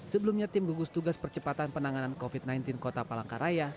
sebelumnya tim gugus tugas percepatan penanganan covid sembilan belas kota palangkaraya